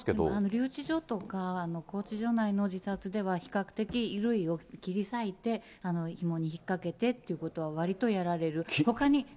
留置所とか、拘置所内の自殺では比較的、衣類を切り裂いて、引っ掛けてということはわりとやられる。